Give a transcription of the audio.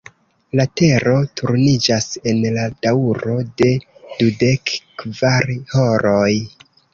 La Tero turniĝas en la daŭro de dudekkvar horoj.